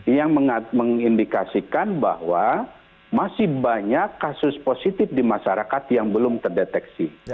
yang mengindikasikan bahwa masih banyak kasus positif di masyarakat yang belum terdeteksi